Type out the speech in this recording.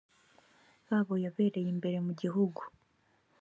babo yabereye imbere mu gihugu